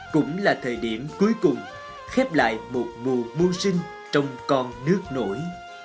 cũng là thời điểm cuối cùng khép lại một mùa sinh trong con nước nổi